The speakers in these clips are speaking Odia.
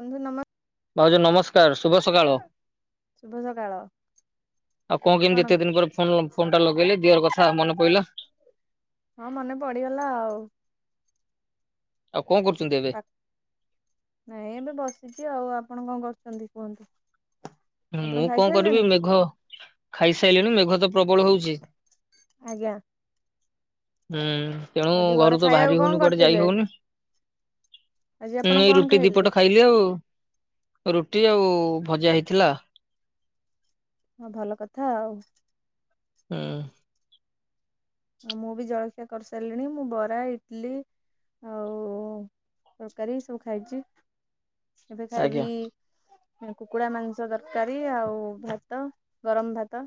ବନ୍ଧୁ ନମ ଭାଉଜ ନମସ୍କାର, ଶୁଭ ସକାଳ। ଶୁଭ ସକାଳ ଆଉ କଣ କେମିତି ଏତେ ଦିନି ପରେ ଫୋନ ଫୋନ୍ ଟା ଲଗେଇଲେ ଦିଅର କଥା ମନେ ପଇଲା। ହଁ, ମନେ ପଡିଗଲା ଆଉ। ଆଉ କଣ କରୁଚନ୍ତି ଏବେ? ନାଇଁ ଏବେ ବସିଚି ଆଉ। ଆପଣ କଣ କରୁଚନ୍ତି, କୁହନ୍ତୁ? ଆପଣ ମୁଁ କଣ କରିବି ଖାଇସାରିଲେଣି? ମେଘ। ଖାଇସାଇଲିଣି ମେଘ ତ ପ୍ରବଳ ହଉଚି। ଆଜ୍ଞା। ହୁଁ। ତେଣୁ ଆଜି ଘରେ ଘରୁ ତ ଖାଇବାକୁ ବାହାରି କଣ ହଉନି କୁଆଡେ ଯାଇ କରିଥିଲେ ହଉନି। ହୁଁ, ଆଜି ଆପଣ ଏଇ କଣ ରୁଟି ଖାଇଲେ? ଦିପଟ ଖାଇ କି ଆଉ ରୁଟି ଆଉ ଭଜା ହେଇଥିଲା। ହଁ ଭଲ କଥା ଆଉ। ହଁ। ଆଉ ମୁଁ ବି ଜଳଖିଆ କରସାର‌ଲିଣି ମୁଁ ବରା, ଇଟଲି ଆଉ ତରକାରୀ ସବୁ ଖାଇଚି ଏବେ ଆଜ୍ଞା ଖାଇବି କୁକୁଡା ମାଂସ ତରକାରୀ ଆଉ ଭାତ ଗରମ ଭାତ।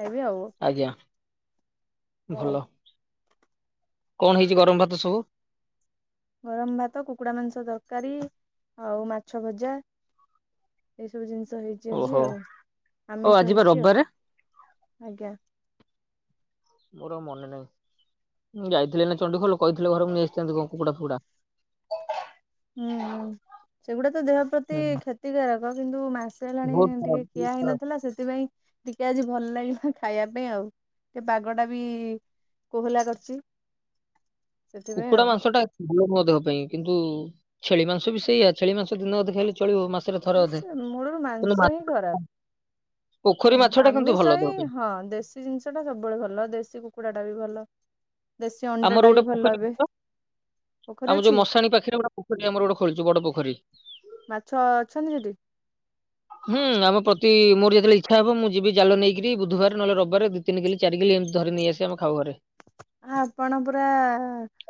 ଖାଇବି ଆଉ। ଆଜ୍ଞା ହଉ ଭଲ। କଣ ହେଇଚି ଗରମ ଭାତ ସବୁ। ଗରମ ଭାତ କୁକୁଡା ମାଂସ ତରକାରୀ ଆଉ ମାଛ ଭଜା। ଏଇସବୁ ଜିନିଷ ହେଇଚି ଆଜି ଓହୋ ଆଉ ଓ ଆଜି ଆମିଷ ବା ହେଇଚି ଆଉ ରବିବାରେ ଆଜ୍ଞା। ମୋର ଆଉ ମନେ ନାହିଁ ମୁଁ ଯାଇଥିଲି ଏଇନା ଚଣ୍ଡିଖୋଲ କହିଥିଲେ ଘରକୁ ମୁଁ ନେଇ ଆସିଥାନ୍ତି କୁକୁଡ଼ା ଫୁକୁଡ଼ା। ହୁଁ ହୁଁ ସେଗୁଡା ତ ଦେହ ପ୍ରତି କ୍ଷତିକାରକ କିନ୍ତୁ ମାସ୍ ମାସେ ହେଲାଣି ବହୁତ ଟିକେ ଖିଆ ଖରାପ ହେଇନଥିଲା ସେଥିପାଇଁ ଟିକେ ଆଜି ଭଲ୍ ଲାଗିଲା ଖାଇବା ପାଇଁ ଆଉ ଟିକେ ପାଗ ଟା ବି କୋହଲା କରଚି। କୁକୁଡ଼ା ମାଂସଟା ଗୁଡ୍ ନୁହଁ ଦେହ ପାଇଁ କିନ୍ତୁ ଛେଳି ମାଂସ ବି ସେଇୟା ଛେଳି ମାଂସ ଦିନେ ଅଧେ ଖାଇଲେ ଚଳିବ ମାସରେ ଥରେ ଅଧେ ସେ ମୂଳୁରୁ କିନ୍ତୁ ମା ମାଂସ ହିଁ ଖରାପ। ପୋଖରୀ ହଁ ମାଛ ଟା କିନ୍ତୁ ଭଲ ଆମିସହିଁ ଦେହ ପାଇଁ ହଁ ଦେଶ ଦେଶୀ ଜିନିଷ ଟା ସବୁବେଳେ ଭଲ ଦେଶୀ କୁକୁଡ଼ାଟା ବି ଭଲ ଦେଶୀ ଅଣ୍ଡା ଟା ଆମର ବି ଗୋଟେ ଭଲ ପୋଖରୀ ଏବେ ଥିଲା ପୋଖରୀ ଆମ ଅଛି ଯୋଉ ମଶାଣି ପାଖରେ ଗୋଟେ ପୋ ପୋଖରି ଆମର ଗୋଟେ ଖୋଲିଛୁ ବଡ ପୋଖରି। ମାଛ ଅଛନ୍ତି ସେଠି? ହୁଁ ଆମ ପ୍ରତି ମୋର ଯେତେବେଳେ ଇଚ୍ଛା ହବ ମୁଁ ଯିବି ଜାଲ ନେଇକରି ବୁଧବାର ନହେଲେ ରବିବାରେ। ତିନ କିଲ ଚାର କିଲ ଏମିତି ଧରି ନେଇ ଆସି ଆମେ ଖାଉ ଘରେ। ଆପଣ ପୁରା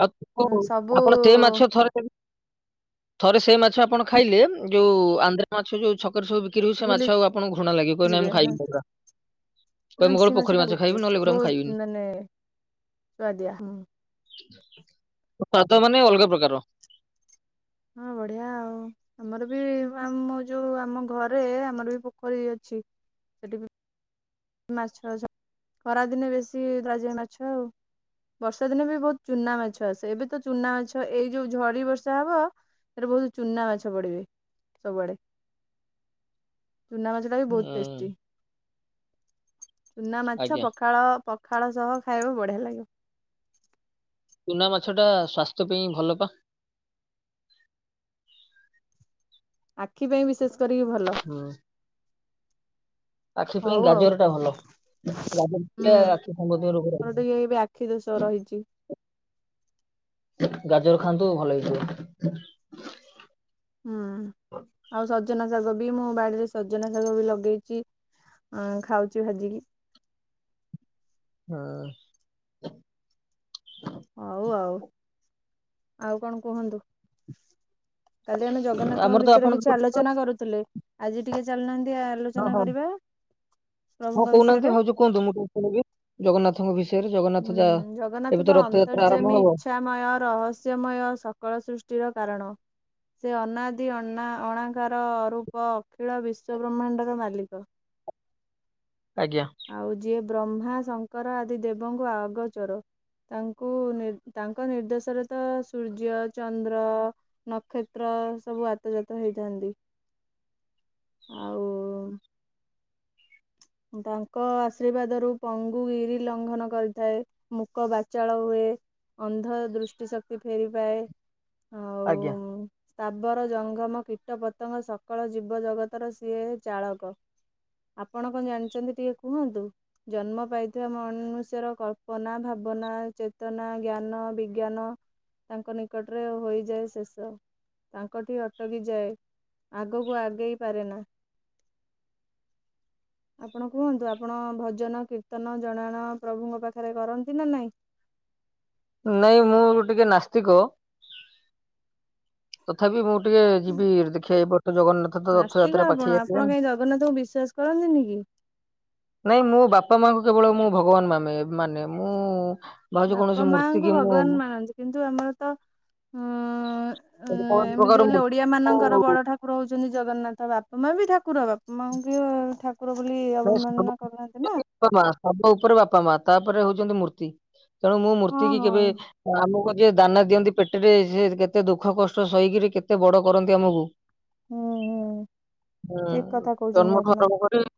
ଆ [unintelligible] ସବୁ ମାଛ ଥରେ ଦେବେ ଥରେ ସେଇ ମାଛ ଆପଣ ଖାଇଲେ ଯୋଉ ଆନ୍ଦ୍ରା ମାଛ ଯୋଉ ଛକରେ ସବୁ କିଲୁସ ଭୁଲି ମାଛ ଆଉ ଆପଣଙ୍କୁ ଘୃଣା ଲାଗିବ କହିବେ ନା ମୁଁ ଯିବେ ଖାଇବିନି ହେରା। [unintelligible] ମାଛ ଟା ବହୁତ ନହେଲେ ଟେଷ୍ଟ ଏଗୁରା ମୁଁ ଖାଇବିନି। ବହୁତ ମାନେ ସୁଆଦିଆ ସ୍ୱାଦ ମାନେ ଅଲଗା ପ୍ରକାର। ହଁ ବଢିଆ ଆଉ। ଆମର ବି ଆମ ଯୋଉ ଆମ ଘରେ ଆମର ବି ପୋଖରୀ ଅଛି ସେଠି ବି ମାଛ ଖରାଦିନେ ବେଶୀ ଧରାଯାଏ ମାଛ ଆଉ। ବର୍ଷା ଦିନେ ବି ବହୁତ ଚୁନା ମାଛ ଆସେ ଏବେତ ଚୁନା ମାଛ ଏଇ ଯୋଉ ଝଡି ବର୍ଷା ହବ ସେ ବହୁତ ଚୁନା ମାଛ ପଡିବେ ସବୁଆଡ ଚୁନା ମାଛ ସେଟାବି ବହୁତ ହୁଁ ଟେଷ୍ଟି। ଚୁନା ମାଛ ଆଜ୍ଞା ପଖାଳ ପଖାଳ ସହ ଖାଇବା ବଢ଼ିଆ ଲାଗିବ। ଚୁନା ମାଛଟା ସ୍ଵାସ୍ଥ୍ୟ ପାଇଁ ଭଲ ପା। ଆଖି ପାଇଁ ବିଶେଷ କରିକି ଭଲ। ହୁଁ। ଆଖି ପାଇଁ ହଉ ଆଉ ଗାଜରଟା ଭଲ। ହୁଁ [unintelligible] ସମ୍ବଧ ରୋଗ ମୋର ଟିକେ ଏବେ ଆଖି ଦୋଷ ରହିଛି ଗାଜର ଖାଆନ୍ତୁ ଭଲ ହେଇଯିବେ। ହୁଁ ଆଉ ସଜନା ଶାଗ ବି ମୁଁ ବାଡ଼ିରେ ସଜନା ଶାଗ ବି ଲଗେଇଚି। ଅଁ ଖାଉଛି ଭାଜିକି। ହଁ। ହଉ ଆଉ। ଆଉ କଣ କୁହନ୍ତୁ? କାଲି ଆମେ ଜଗନ୍ନାଥଙ୍କ ଆମର ତ ବିଷୟରେ ଆପଣ କିଛି ଆଲୋଚନା କରୁଥିଲେ। ଆଜି ଟିକେ ଚାଲୁନାହାନ୍ତି ଆ ହଁ ଆଲୋଚନା ହଁ କରିବା ହଁ ପ୍ରଭୁଙ୍କ କହୁନାହାନ୍ତି ବିଷୟରେ ଭାଉଜ କୁହନ୍ତୁ ମୁଁ କ [unintelligible] ଜଗନ୍ନାଥଙ୍କ ବିଷୟରେ ହୁଁ ଜଗନ୍ନାଥ ଯାହା ଏବେ ତ ରଥଯାତ୍ରା ଆରମ୍ଭ ହବ। ମୟ ରହସ୍ୟମୟ ସକଳ ସୃଷ୍ଟିର କାରଣ। ସେ ଅନାଦି ଅନା ଅଣାକାର ରୂପ ଅଖିଳ ବିଶ୍ୱବ୍ରହ୍ମାଣ୍ଡର ମାଲିକ। ଆଜ୍ଞା। ଆଉ ଯିଏ ବ୍ରହ୍ମା ଶଙ୍କର ଆଦି ଦେବଙ୍କୁ ଆଗ ଚର ତାଙ୍କୁ ନି ତାଙ୍କ ନିର୍ଦ୍ଦେଶରେ ତ ସୂର୍ଯ୍ୟ ଚନ୍ଦ୍ର ନକ୍ଷତ୍ର ସବୁ ଆତଜାତ ହେଇଥାନ୍ତି ଆଉ ତାଙ୍କ ଆଶୀର୍ବାଦରୁ ପଙ୍ଗୁ ଗିରି ଲଙ୍ଘନ କରିଥାଏ। ମୁକ ବାଚାଳ ହୁଏ, ଅନ୍ଧ ଦୃଷ୍ଟି ଶକ୍ତି ଫେରି ପାଏ, ଆ ଆଜ୍ଞା। [unintelligible] ତାବର ଜଘମ କୀଟପତଙ୍ଗ ସକଳ ଜୀବଜଗତର ସିଏ ଚାଳକ। ଆପଣ କଣ ଜାଣିଛନ୍ତି ଟିକେ କୁହନ୍ତୁ? ଜନ୍ମ ପାଇଥିବା ମନୁଷ୍ୟର କଳ୍ପନା ଭାବନା ଚେତନା ଜ୍ଞାନ ବିଜ୍ଞାନ। ତାଙ୍କ ନିକଟରେ ହୋଇଯାଏ ଶେଷ। ତାଙ୍କଠି ଅଟକି ଯାଏ, ଆଗକୁ ଆଗେଇ ପାରେ ନା। ଆପଣ କୁହନ୍ତୁ ଆପଣ ଭଜନ କୀର୍ତ୍ତନ ଜଣାଣ ପ୍ରଭୁଙ୍କ ପାଖରେ କରନ୍ତି ନା ନାଇଁ? ନାଇଁ ମୁଁ ଟିକେ ନାସ୍ତିକ। ତଥାପି ମୁଁ ଟିକେ ଯିବି ଦେଖିବା ଏଇ ବର୍ଷ ଜଗନ୍ନାଥ ତ ନାସ୍ତିକ ରଥଯାତ୍ରା ଆପଣ ପାଖେଇ ଆପଣ ଆସିଲାଣି। କାହିଁ ଜଗନ୍ନାଥଙ୍କୁ ବିଶ୍ୱାସ କରନ୍ତିନି କି? ନାଇଁ ମୋ ବାପା ମାଙ୍କୁ କେବଳ ମୁଁ ଭଗବାନ ମାନେ ମାନେ ମୁଁ ଭାଉଛି କୌଣସି ମୂ ତାଙ୍କୁ ଭଗବାନ ମାନନ୍ତି କିନ୍ତୁ ଆମର ତ ହଁ କୌଣସି ଏମିତି ପ୍ରକାର କଲେ ମୂର୍ତ୍ତି ଓଡିଆ ମାନଙ୍କର ମୁଁ ବଡ ଠାକୁ ରହୁଛନ୍ତି ଜଗନ୍ନାଥ ବାପା ମା ବି ଠାକୁର ବାପା ମା ବି ଠା କୁକୁର ବୋଲି ଅବମାନନା କରୁନାହାନ୍ତି ନା? ବାପା ମା ସବ ଉପରେ ବାପା ମା ତାପରେ ହଉଛନ୍ତି ମୂର୍ତ୍ତି ତେଣୁ ମୁଁ ହଁ ମୂର୍ତ୍ତି କି ହଁ କେବେ ଆମକୁ ଯିଏ ଦାନା ଦିଅନ୍ତି ପେଟରେ ସେ କେତେ ଦୁଃଖ କଷ୍ଟ ସହିକିରି କେତେ ବଡ କରନ୍ତି ଆମକୁ? ହୁଁ ହୁଁ ହୁଁ ଠିକ କଥା କହୁଛନ୍ତି ଜନ୍ମଠୁ ଆପଣ ଆରମ୍ଭ କରିକି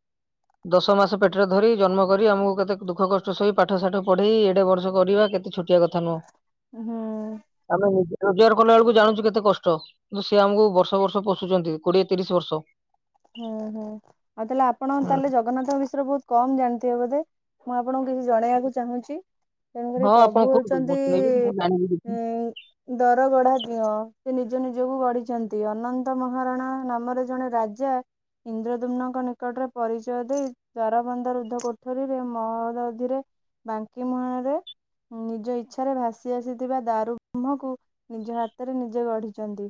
ଦଶ ମାସ ପେଟରେ ଧରି ଜନ୍ମ କରି ଆମକୁ କେତେ ଦୁଃଖ କଷ୍ଟ ସହି ପାଠ ସାାଠ ପଢେଇ ଏଡେ ବର୍ଷ କରିବା କେତେ ଛୋ ଟିଆ କଥା ନୁହଁ। ହୁଁ। ଆମେଜ ରୋଜଗାର କଲା ବେଳକୁ ଜାଣଛୁ କେତେ କଷ୍ଟ। କିନ୍ତୁ ସେ ଆମକୁ ବର୍ଷ ବର୍ଷ ପୋଷୁଛନ୍ତି କୋଡିଏ ତିରିଶ ବର୍ଷ। ହୁଁ ହୁଁ ଆଉ ତାହେଲେ ଆପଣ ତାହେଲେ ହୁଁ ଜଗନ୍ନାଥ ମିଶ୍ର ବହୁତ କମ ଜାଣିଥିବେ ବୋଧେ? ମୁଁ ଆପଣଙ୍କୁ କିଛି ଜଣେଇବାକୁ ଚାହୁଁଛି। ତେଣୁକରି ହଁ ଆପଣ ପ୍ରଭୁ କୁହନ୍ତୁ ମୁଁ ହଉଛନ୍ତି ଶୁଣିବି ମୁଁ ଜାଣିବି କିଛି। ଉ ଦର ଗଢା ଦିଅ ସେ ନିଜ ନିଜକୁ ଗଢିଛନ୍ତି ଅନନ୍ତ ମହାରଣା ନାମରେ ଜଣେ ରାଜା। ଇନ୍ଦ୍ରଦୁମ୍ନଙ୍କ ନିକଟରେ ପରିଚୟ ଦେଇ ଦ୍ବାରବନ୍ଧ ରୁଦ୍ଧ କୋଠରୀରେ ମହଦଧିରେ ବାଙ୍କି ମୁହାଣରେ ନିଜ ଇଚ୍ଛାରେ ଭାସି ଆସିଥିବା ଦାରୁ ବ୍ରହ୍କକୁ ନିଜ ହାତରେ ନିଜେ ଗଢ଼ିଛନ୍ତି।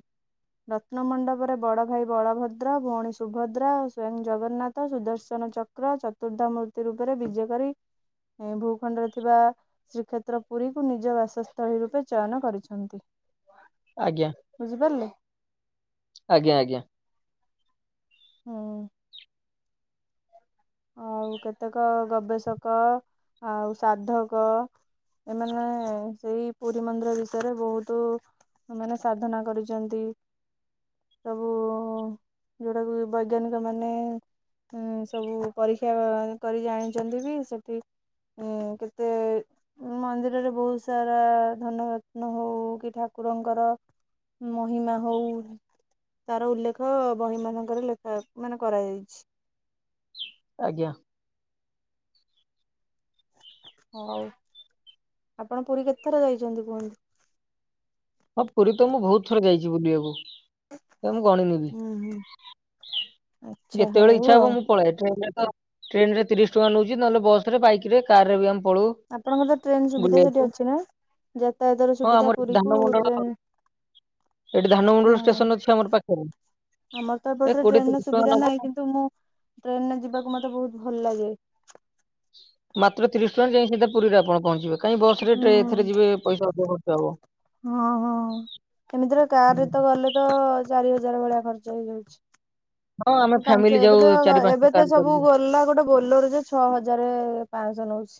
ରତ୍ନ ମଣ୍ଡପରେ ବଡ଼ଭାଇ ବଳଭଦ୍ର ଭଉଣୀ ସୁଭଦ୍ରା ସ୍ଵୟଂ ଜଗନ୍ନାଥ ସୁଦର୍ଶନ ଚକ୍ର ଚତୁର୍ଦ୍ଧ ମୂର୍ତ୍ତି ରୂପରେ ବିଜେ କରି ଭୂଖଣ୍ଡରେ ଥିବା ଶ୍ରୀକ୍ଷେତ୍ର ପୁରୀକୁ ନିଜ ବାସସ୍ଥଳୀ ରୂପେ ଚୟନ କରିଛନ୍ତି। ଆଜ୍ଞା ବୁଝିପାରିଲେ ଆଜ୍ଞା ଆଜ୍ଞା ହଁ ଆଉ କେତେକ ଗବେଷକ ଆଉ ସାଧକ ଏମାନେ ସେଇ ପୁରୀ ମନ୍ଦିର ବିଷୟରେ ବହୁତ ସେମାନେ ସାଧନା କରିଛନ୍ତି। ସବୁ ଯୋଉଟାକୁ ବୈଜ୍ଞାନିକ ମାନେ ସବୁ ପରୀକ୍ଷା କରି ଜାଣିଛନ୍ତି ବି ସେଠି ଉଁ କେତେ ମନ୍ଦିରରେ ବହୁତ ସାରା ଧନରତ୍ନ ହଉ କି ଠାକୁରଙ୍କର ମହିମା ହଉ ତାର ଉଲ୍ଲେଖ ବହି ମାନଙ୍କରେ ଲେଖା ମାନେ କରାଯାଇଛି। ଆଜ୍ଞା ହ ହଉ ଆପଣ ପୁରୀ କେତେଥର ଯାଇଛନ୍ତି କୁହନ୍ତି। ହଁ ପୁରୀ ତ ମୁଁ ବହୁତ ଥର ଯାଇଛି ବୁଲିବାକୁ ମୁଁ ଗଣିନେବି। ହୁଁ ହୁଁ। ଆଚ୍ଛା ଯେତେବେଳେ ହଉ ଇଚ୍ଛା ଆଉ ହବ ମୁଁ ପଳାଏ [unintelligible] ଟ୍ରେନ ତିରିଶ ଟଙ୍କା ନେଉଛି। ନହେଲେ ବସରେ ବାଇକରେ କାରରେ ବି ଆମେ ପଳଉ। ଆପଣଙ୍କର ତ ଟ୍ରେନ ସୁବିଧା ସେଠି ବୁଲିବାକୁ। ଅଛି ନା ଯାତାୟାତର ହଁ ସୁବିଧା ଆମର ଧାନ ପୁରୀକୁ ମଣ୍ଡଳ ଟ୍ରେନ ଏଠି ହଁ ଧାନମଣ୍ଡଳ ଷ୍ଟେସନ ଅଛି ଆମର ପାଖରେ। ଆମର ତ ଏ ଏପଟରେ କୋଡିଏ ଟ୍ରେନ ର ତିରିଶ ଟଙ୍କା ସୁବିଧା ନାହିଁ ନବ। କିନ୍ତୁ ମୁଁ ଟ୍ରେନରେ ଯିବାକୁ ମତେ ବହୁତ ଭଲ ଲାଗେ। ମାତ୍ର ତିରିଶ ଟଙ୍କା ଯାଇକି ସିଧା ପୁରୀରେ ଆପଣ ପହଞ୍ଚିବେ, କାହିଁ ବସରେ ହୁଁ ଟ୍ରେ ଏଥିରେ ଯିବେ ପଇସା ଅଧିକ ଖର୍ଚ୍ଚ ହବ। ହଁ ହଁ ଏମିତିରେ କାରରେ ଗଲେତ ଚାରି ହଜାର ଭଳିଆ ଖର୍ଚ୍ଚ ହେଇଯାଉଛି। ହଁ ଆମେ କି ଫ୍ୟାମିଲି ପାଞ୍ଚ ଏବେ ଯାଉ ତ ଚାରି ପାଞ୍ଚଟା ଏବେ ତ କାର ସବୁ କରିକି ଗଲା ଗୋଟେ ବୋଲୋର ଯେ ଛଅ ହଜାର ପାଞ୍ଚଶହ ନଉଛି।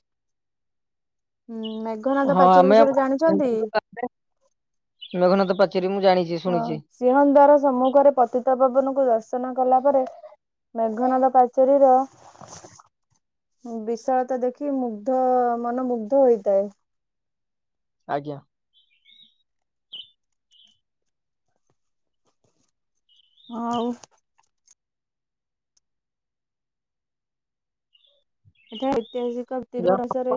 ହୁଁ ମା ଜଘନାଥ ପାଚେରୀ ବିଷୟରେ ଜାଣିଛନ୍ତି? ମଘନାଥ ପାଚେରୀ ମୁଁ ଜାଣିଛି। ହଁ ଶୁଣିଛି ସିଂହଦ୍ୱାର ସମ୍ମୁଖରେ ପତିତପାବନ କୁ ଦର୍ଶନ କଲାପରେ ମେଘନାଦ ପାଚେରୀର ବିଶାଳତା ଦେଖି ମୁଗ୍ଧ ମନ ମୁୁଗ୍ଧ ହୋଇଥାଏ। ଆଜ୍ଞା ହଉ ଏଠା ଐତିହାସିକ ଯା ତିରୁପରାସରେ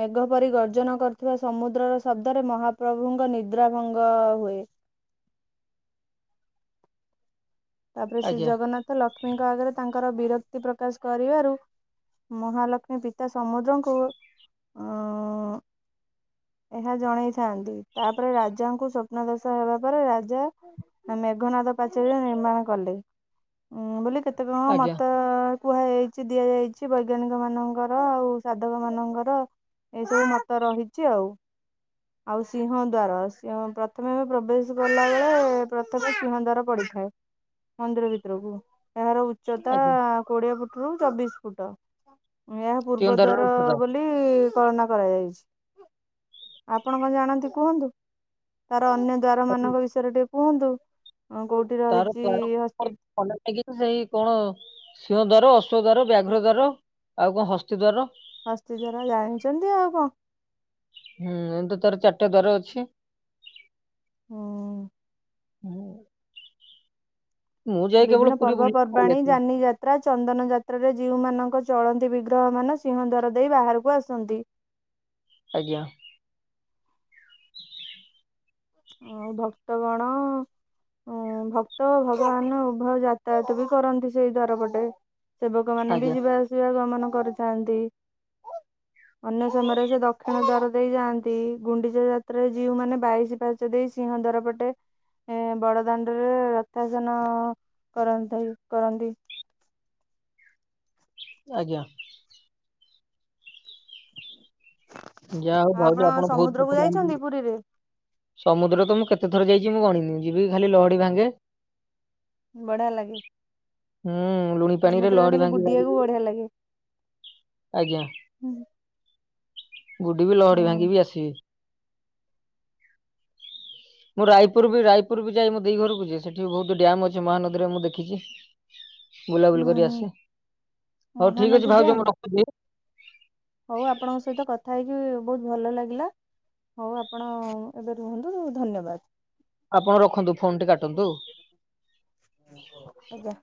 ମେଘ ପରି ଗର୍ଜନ କରୁଥିବା ସମୁଦ୍ରର ଶବ୍ଦରେ ମହାପ୍ରଭୁଙ୍କ ନିଦ୍ରାଭଙ୍ଗ ହୁଏ। ତାପରେ ଶ୍ରୀ ଆଜ୍ଞା ଜଗନ୍ନାଥ ଲକ୍ଷ୍ମୀଙ୍କ ଆଗରେ ତାଙ୍କର ବିରକ୍ତି ପ୍ରକାଶ କରିବାରୁ ମହାଲକ୍ଷ୍ମୀ ପିତା ସମୁଦ୍ରଙ୍କୁ ଉଁ ଏହା ଜଣେଇଥାନ୍ତି, ତାପରେ ରାଜାଙ୍କୁ ସ୍ୱପ୍ନାଦେଶ ହେବାପରେ ରାଜା ମେଘନାଦ ପାଚେରୀ ନିର୍ମାଣ କଲେ, ଉ ବୋଲି କେତେଜଣ ଆଜ୍ଞା ମତ କୁହାଯାଇଛି ଦିଆଯାଇଛି ବୈଜ୍ଞାନିକ ମାନଙ୍କର ଆଉ ସାଧକ ମାନଙ୍କର ଏଇସବୁ ମତ ରହିଛି ଆଉ। ଆଉ ସିଂହ ଦ୍ଵାର ସିଂହ ପ୍ରଥମେ ଆମେ ପ୍ରବେଶ କଲାବେଳେ ପ ସିଂହଦ୍ୱାର ପଡ଼ିଥାଏ। ମନ୍ଦିର ଭିତରକୁ ଏହାର ଉଚ୍ଚତା ଆଜ୍ଞା କୋଡ଼ିଏ ଫୁଟରୁ ଚବିଶ ଫୁଟ। ଏହା ସିଂହଦ୍ୱାରର ପୂର୍ବଦ୍ୱାର ଉତ୍ତର ବୋଲି କଳନା କରାଯାଇଛି। ଆପଣ କଣ ଜାଣନ୍ତି କୁହନ୍ତୁ ତାର ଅନେକ୍ ଦ୍ଵାର ମାନଙ୍କ ବିଷୟରେ ଟିକେ କୁହନ୍ତୁ କୋଉଠି ରହି ତ ଭଲ ଲ ସେଇ କଣ [unintelligible] ସିଂହ ଦ୍ୱାର ଅଶ୍ୱ ଦ୍ୱାର ବ୍ୟାଘ୍ର ଦ୍ୱାର ଆଉ କଣ ହସ୍ତି ଦ୍ୱାର ହସ୍ତି ଜରା ଜାଣିଛନ୍ତି ଆଉ କଣ ହୁଁ ଏମ୍ତି ତାର ଚାରିଟା ଦ୍ୱାର ଅଛି ହଁ। ହଁ [unintelligible] କେବଳ ବିଭିନ୍ନ ପୁରୀ ପର୍ବ ବୁଲିକି ପଳେଇ ପର୍ବାଣୀ ଆସେ ଯାନି ଯା ତ୍ରା ଚନ୍ଦନ ଯାତ୍ରାରେ ଯିଉମାନଙ୍କ ଚଳନ୍ତି ବିଗ୍ରହ ମାନ ସିଂହ ଦ୍ୱାର ଦେଇ ବାହାରୁକୁ ଆସନ୍ତି ଆଜ୍ଞା। ଆଉ ଭକ୍ତ ଗଣ ଉଁ ଭକ୍ତ ଭଗବାନ ଉଭୟ ଯାତାୟାତ ବି କରନ୍ତି ସେଇ ଦ୍ୱାର ପଟେ ‌। ସେବକ ମାନେ ବି ଆଜ୍ଞା ଯିବା ଆସିବା ଗମନ କରିଥାନ୍ତି ଅନ୍ୟ ସମୟରେ ସେ ଦକ୍ଷିଣ ଦ୍ୱାର ଦେଇ ଯାଆନ୍ତି ଗୁଣ୍ଡିଚା ଯାତ୍ରାରେ ଯୀଉ ମାନେ ବାଇଶି ପା ହାଚ ଦେଇ ସିଂହ ଦ୍ୱାର ପଟେ ଏ ବଡ଼ଦାଣ୍ଡରେ ରଥଜାନ କରନ୍ତି କରନ୍ତି। ଆଜ୍ଞା। ଯା ହଉ ଆଉ ଭାଉଜ ଆପଣ ବହୁତ୍ ସମୁଦ୍ରକୁ କଥା ଯାଇଛନ୍ତି ଜାଣିଚନ୍ତି। ପୁରୀରେ? ସମୁଦ୍ର ତ ମୁଁ କେତେଥର ଯାଇଛି ମୁଁ ଗଣିନି ଯିବି ଖାଲି ଲହଡି ଭାଙ୍ଗେ ବଢିଆ ଲାଗେ ହୁଁ ଲୁଣି ପାଣିରେ ଲହଡି ଭାଙ୍ଗି ଭାଙ୍ଗିକି ବଢ଼ିଆ ଲାଗେ। ଆଜ୍ଞା ହୁଁ ବୁଡିବି ଲହଡି ହୁଁ ଭାଙ୍ଗିବି ଆସିବି। ମୁଁ ରାୟପୁର ବି ରାୟପୁର ବି ଯାଏ ମୁଁ ଦି ଘରକୁ ଯା ସେଠି ବି ବହୁତୁ ଡ୍ୟାମ୍ ଅଛି ମହାନଦୀରେ ମୁଁ ଦେଖିଚି ବୁଲାବୁଲି କରି ହୁଁ ଆସେ ହଉ ଠିକ୍ ଅଛି ମହାନଦୀ ଭାଉଜ ଡ୍ୟାମ୍ ମୁଁ ରଖୁଚି। ହଉ ଆପଣଙ୍କ ସହିତ କଥା ହେଇକି ବହୁତ୍ ଭଲ ଲାଗିଲା ହଉ ଆପଣ ଏବେ ରୁହନ୍ତୁ ଧନ୍ୟବାଦ୍। ଆପଣ ରଖନ୍ତୁ ଫୋନ୍ ଟି କାଟନ୍ତୁ। ଆଜ୍ଞା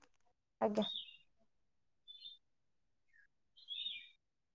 ଆଜ୍ଞା।